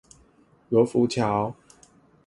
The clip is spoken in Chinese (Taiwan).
羅浮橋